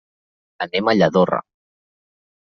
Anem a Lladorre.